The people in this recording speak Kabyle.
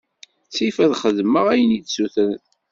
Ttif ad xedmeɣ ayen iyi-d-ssutren.